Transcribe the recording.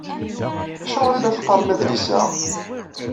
Acuɣer i la teqqarem adlis-a?